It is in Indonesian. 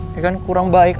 ya kan kurang baik